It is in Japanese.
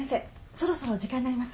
そろそろ時間になります。